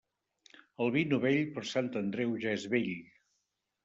El vi novell, per Sant Andreu ja és vell.